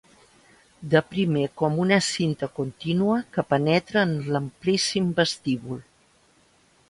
De primer com una cinta contínua que penetra en l'amplíssim vestíbul.